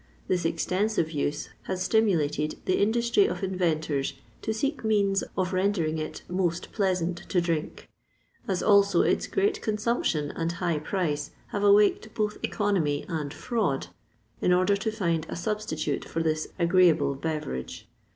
This extensive use has stimulated the industry of inventors to seek means of rendering it most pleasant to drink, as also its great consumption and high price have awaked both economy and fraud, in order to find a substitute for this agreeable beverage.